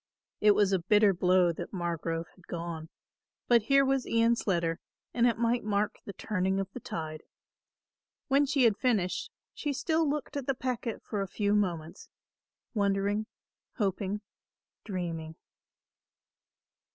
It was a bitter blow that Margrove had gone; but here was Ian's letter and it might mark the turning of the tide. When she had finished she still looked at the packet for a few moments, wondering, hoping, dreaming.